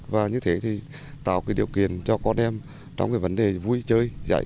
và như thế thì tạo cái điều kiện cho con em trong cái vấn đề vui chơi giải trí